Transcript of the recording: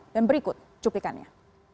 dan berikut cupikannya